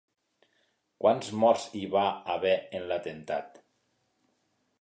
Quants morts hi va haver en l'atemptat?